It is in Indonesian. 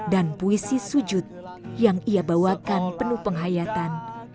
dan puisi sujud yang ia bawakan penuh penghayatan